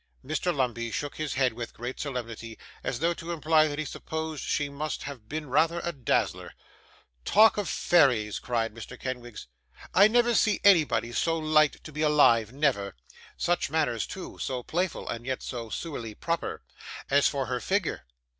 Mr. Lumbey shook his head with great solemnity, as though to imply that he supposed she must have been rather a dazzler. 'Talk of fairies!' cried Mr. Kenwigs 'I never see anybody so light to be alive, never. Such manners too; so playful, and yet so sewerely proper! As for her figure!